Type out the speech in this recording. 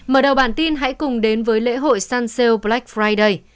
mở đầu bản tin hãy cùng đến với lễ hội sunsail black friday